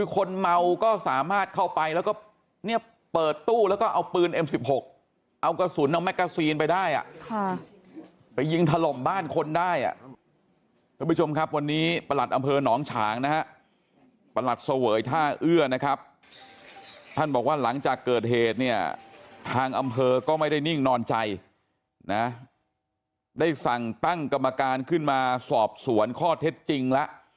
ครับแล้วก็เชื่อว่าด้วยพุทธคุณของ